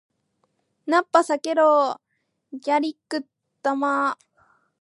ナッパ避けろー！ギャリック砲ー！